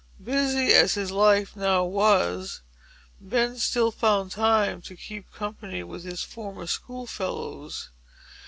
Busy as his life now was, Ben still found time to keep company with his former schoolfellows.